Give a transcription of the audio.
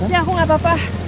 ya aku gak apa apa